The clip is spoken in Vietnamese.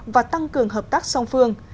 và tăng cường hợp tác song phương